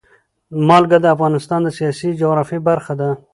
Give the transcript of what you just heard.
نمک د افغانستان د سیاسي جغرافیه برخه ده.